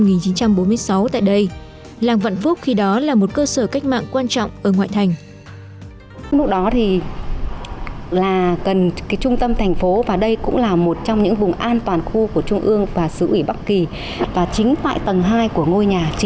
năm một nghìn chín trăm bốn mươi sáu tại đây làng vạn phúc khi đó là một cơ sở cách mạng quan trọng ở ngoại thành